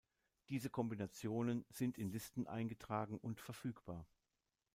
Diese Kombinationen sind in Listen eingetragen und verfügbar.